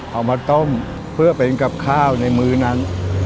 เอามาต้มเพื่อเป็นกับข้าวในมื้อนั้น